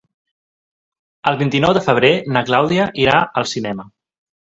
El vint-i-nou de febrer na Clàudia irà al cinema.